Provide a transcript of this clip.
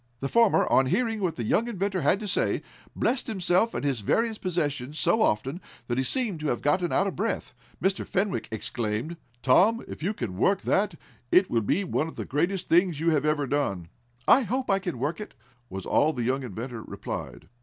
The former, on hearing what the young inventor had to say, blessed himself and his various possessions so often, that he seemed to have gotten out of breath. Mr. Fenwick exclaimed: "Tom, if you can work that it will be one of the greatest things you have ever done!" "I hope I can work it," was all the young inventor replied.